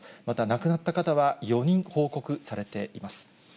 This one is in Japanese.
また亡くなった方は、４人報告されています。